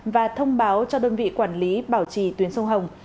và thông báo cho đơn vị quản lý bảo trì tuyến sông hồng